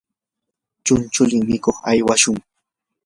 chunchulin mikuq aywashun.